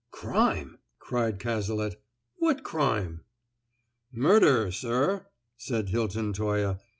"Crime!" cried Cazalet. "What crime?" "Murder, sir!" said Hilton Toye.